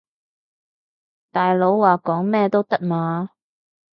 大佬話講咩都得嘛